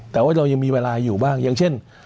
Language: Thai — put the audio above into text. แต่ว่าเรายังมีเวลาอยู่บ้างอย่างเช่น